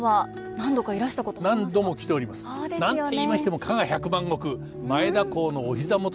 何といいましても加賀百万石前田公のお膝元です。